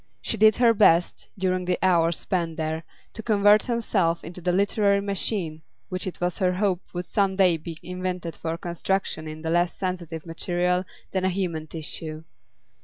She did her best, during the hours spent here, to convert herself into the literary machine which it was her hope would some day be invented for construction in a less sensitive material than human tissue.